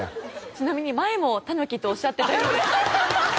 ちなみに前もタヌキとおっしゃってたようです。